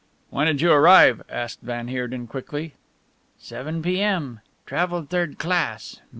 "When did you arrive?" asked van Heerden quickly. "Seven p.m. Travelled third class!